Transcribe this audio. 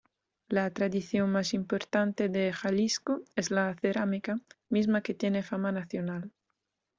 La tradición más importante de Jalisco es la cerámica, misma que tiene fama nacional.